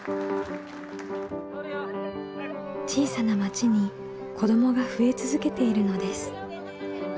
小さな町に子どもが増え続けているのです。